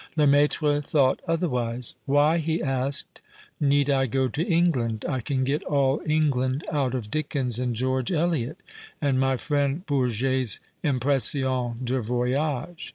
Lemaitre thought otherwise. Why, he asked, need I go to England ? I can get all England out of Dickens and George Eliot and my friend Bourget's " Impressions de Voyage."